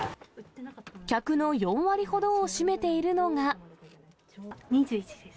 客の４割ほどを占めているの２１です。